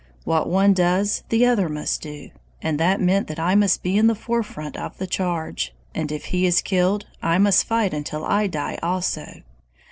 What one does the other must do; and that meant that I must be in the forefront of the charge, and if he is killed, I must fight until I die also!